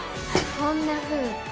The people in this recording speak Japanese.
こんなふうって？